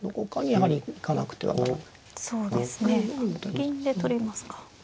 銀で取りますか。